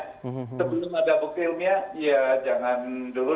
sebelum ada bukti ilmiah ya jangan dulu